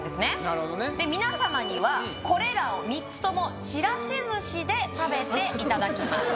なるほどねで皆様にはこれらを３つともちらし寿司で食べていただきます